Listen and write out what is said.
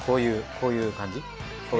こういう感じ？